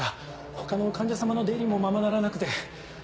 他の患者様の出入りもままならなくて。